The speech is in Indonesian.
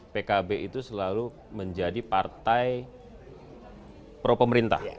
pkb itu selalu menjadi partai pro pemerintah